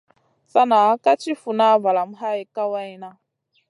Sana ka ti funa valamu hay kawayna.